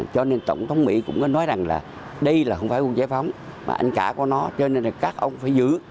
cho nên tổng thống mỹ cũng có nói rằng là đây là không phải ông giải phóng mà anh cả của nó cho nên là các ông phải giữ